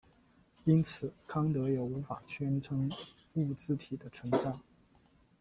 因此康德也无法宣称物自体的存在。